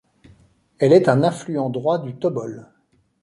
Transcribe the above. Elle est un affluent droit du Tobol.